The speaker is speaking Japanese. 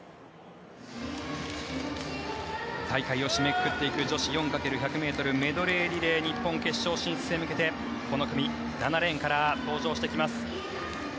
大会を締めくくっていく女子４×１００ｍメドレーリレー日本、決勝進出へ向けてこの組７レーンから登場してきます。